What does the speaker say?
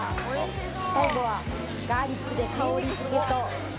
最後はガーリックで香りづけと。